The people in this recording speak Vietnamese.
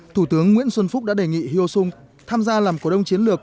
thủ tướng nguyễn xuân phúc đã đề nghị hyo sung tham gia làm cổ đông chiến lược